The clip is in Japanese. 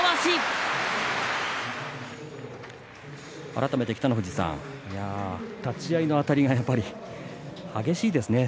改めて北の富士さん立ち合いのあたりがやっぱり激しいですね